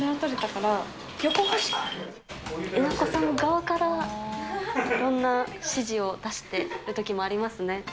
えなこさん側からいろんな指示を出してるときもありますね。